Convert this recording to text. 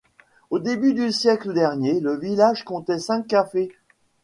Au début du siècle dernier, le village comptait cinq cafés.